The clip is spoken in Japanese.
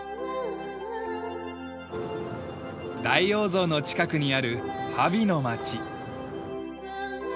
大王像の近くにあるハヴィの町。